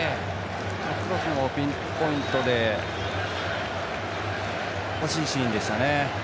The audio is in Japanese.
クロスもピンポイントで惜しいシーンでしたね。